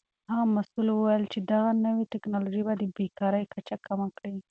هغه مسؤل وویل چې دغه نوې تکنالوژي به د بیکارۍ کچه کمه کړي.